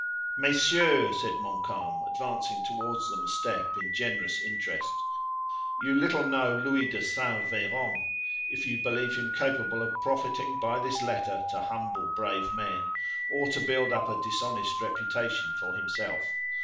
"Messieurs," said Montcalm, advancing toward them a step, in generous interest, "you little know Louis de St. Veran if you believe him capable of profiting by this letter to humble brave men, or to build up a dishonest reputation for himself.